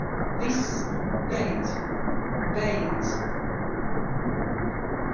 Viss, beidz. Beidz.